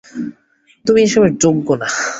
তুমি এসবের যোগ্য না।